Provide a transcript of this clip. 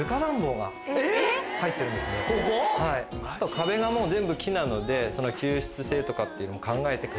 壁が全部木なので吸湿性とかっていうのも考えて。